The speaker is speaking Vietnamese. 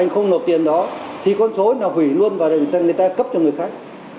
có tiền đó thì con số nó hủy luôn và người ta cấp cho người khác